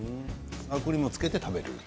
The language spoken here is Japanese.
サワークリームをつけて食べる。